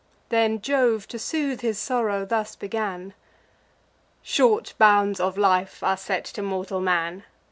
Then Jove, to soothe his sorrow, thus began: "Short bounds of life are set to mortal man.